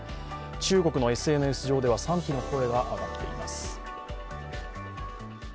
中国のＳＮＳ上では賛否の声が上がっています。